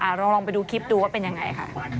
ลองไปดูคลิปดูว่าเป็นยังไงค่ะ